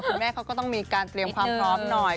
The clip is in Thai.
คุณแม่เขาก็ต้องมีการเตรียมความพร้อมหน่อย